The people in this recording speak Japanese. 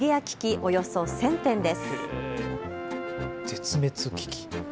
およそ１０００点です。